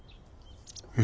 え？